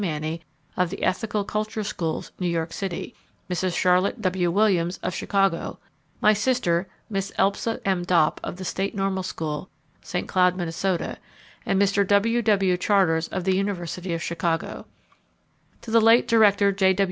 Manny, of the Ethical Culture Schools, New York City; Mrs. Charlotte W. Williams, of Chicago; my sister, Miss Elspa M. Dopp, of the State Normal School, St. Cloud, Minn.; and Mr. W. W. Charters, of the University of Chicago. To the late Director J.